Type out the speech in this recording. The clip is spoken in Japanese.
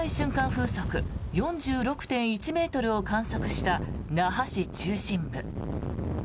風速４６．１ｍを観測した那覇市中心部。